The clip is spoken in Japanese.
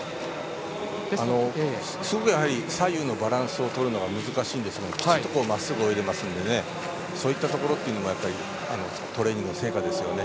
すごく左右のバランスをとるのが難しいですがきちっとまっすぐ泳いでますのでそういったところトレーニングの成果ですよね。